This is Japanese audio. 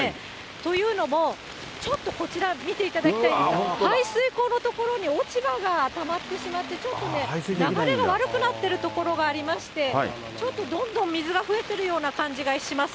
というのも、ちょっとこちら、見ていただきたいんですが、排水溝の所に落ち葉がたまってしまって、ちょっとね、流れが悪くなっている所がありまして、ちょっとどんどん水が増えてるような感じがします。